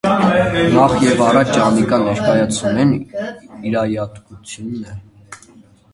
Նախ եւ առաջ անիկա ներկայացումներու իւրայատկութիւնն է։